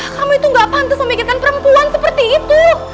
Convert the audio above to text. kamu itu gak pantas memikirkan perempuan seperti itu